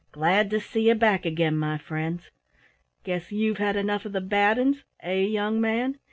"Glad to see you back again, my friends! Guess you've had enough of the bad 'uns eh, young man?"